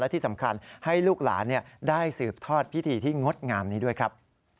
ที่สำคัญให้ลูกหลานได้สืบทอดพิธีที่งดงามนี้ด้วยครับ